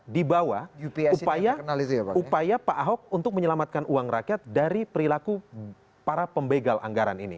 di bawah upaya pak ahok untuk menyelamatkan uang rakyat dari perilaku para pembegian